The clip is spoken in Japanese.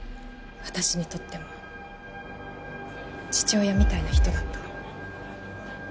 私にとっても父親みたいな人だった。